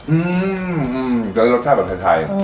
อืมจะได้รสชาติแบบไทย